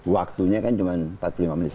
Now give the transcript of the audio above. waktunya kan cuma empat puluh lima lima puluh menit